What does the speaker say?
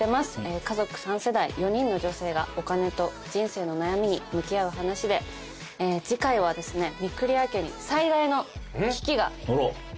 家族３世代４人の女性がお金と人生の悩みに向き合う話で次回はですね御厨家に最大の危機が訪れます。